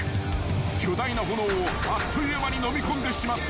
［巨大な炎をあっという間にのみ込んでしまった］